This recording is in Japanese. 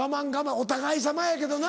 お互いさまやけどな。